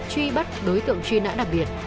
truy bắt đối tượng truy nã đặc biệt